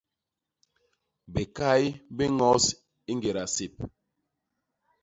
Bikay bi ños i ñgéda sép.